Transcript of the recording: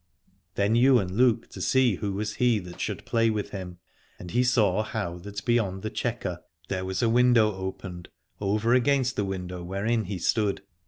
Then Ywain looked to see who was he that should play with him : and he saw how that beyond the chequer there was a window opened, over against the window wherein he stood.